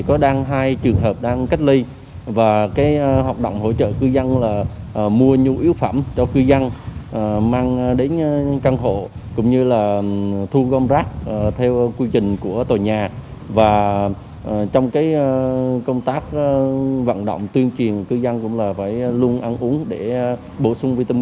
có hai trường hợp đang phải cách ly vì vậy nhiều kinh bản phòng chống dịch cũng được đưa ra